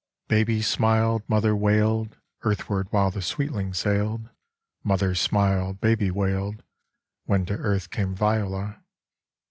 IX Baby smiled, mother wailed, Earthward while the sweetling sailed; Mother smiled, baby wailed, When to earth came Viola.